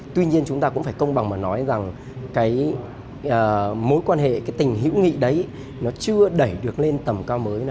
tuy nhiên chúng ta cũng phải công bằng mà nói rằng mối quan hệ tình hữu nghị đấy chưa đẩy được lên tầm cao mới